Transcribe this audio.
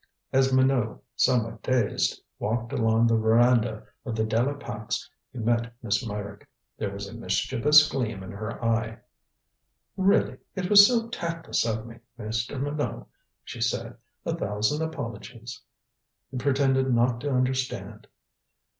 As Minot, somewhat dazed, walked along the veranda of the De la Pax he met Miss Meyrick. There was a mischievous gleam in her eye. "Really, it was so tactless of me, Mr. Minot," she said. "A thousand apologies." He pretended not to understand.